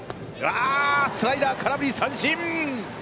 スライダー、空振り三振！